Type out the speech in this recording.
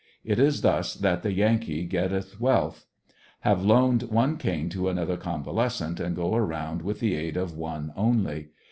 It is thus that the Yankee get teth wealth. Have loaned one cane to another convalescent and go around with the aid of one only.